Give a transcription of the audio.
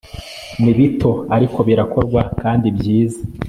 Nibito ariko birakorwa kandi byiza